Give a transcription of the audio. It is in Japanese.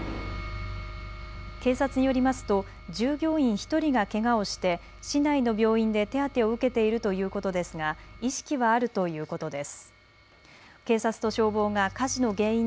警察によりますと従業員１人がけがをして市内の病院で手当てを受けているということですが意識はあるということです。